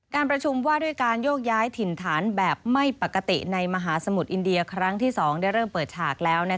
การประชุมว่าด้วยการโยกย้ายถิ่นฐานแบบไม่ปกติในมหาสมุทรอินเดียครั้งที่๒ได้เริ่มเปิดฉากแล้ว